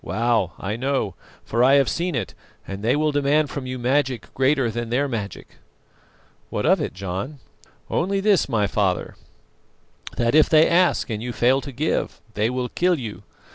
Wow! I know, for I have seen it, and they will demand from you magic greater than their magic." "What of it, John?" "Only this, my father, that if they ask and you fail to give, they will kill you.